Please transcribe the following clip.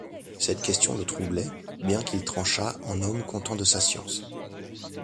Cette question le troublait, bien qu’il tranchât, en homme content de sa science.